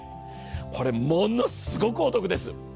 これものすごくお得です。